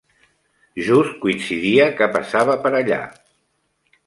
Just coincidia que passava per allà.